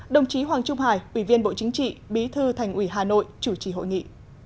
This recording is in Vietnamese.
đồng chí hoàng trung hải ủy viên bộ chính trị bí thư thành ủy hà nội chủ trì hội nghị